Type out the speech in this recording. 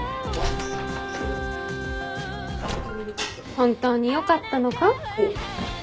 本当によかったのか？